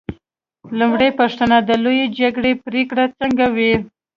لومړۍ پوښتنه: د لویې جرګې پرېکړې څرنګه وې؟